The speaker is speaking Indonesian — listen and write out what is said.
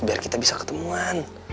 biar kita bisa ketemuan